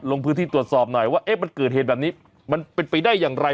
ลงพื้นที่ตรวจสอบหน่อยว่ามันเกิดเหตุแบบนี้มันเป็นไปได้อย่างไร